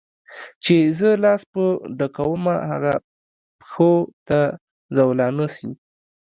چي زه لاس په ډکومه هغه پښو ته زولانه سي